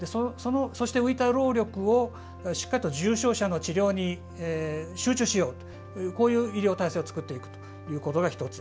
そして浮いた労力をしっかりと重症者の治療に集中しようとこういう医療体制を作っていくということが１つ。